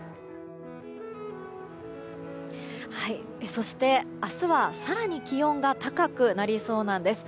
そして、明日は更に気温が高くなりそうなんです。